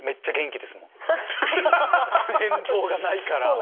変動がないから。